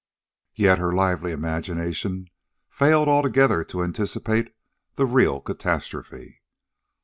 Yet her lively imagination failed altogether to anticipate the real catastrophe.